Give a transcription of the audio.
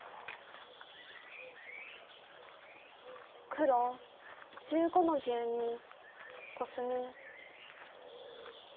黒１５の十二コスミ。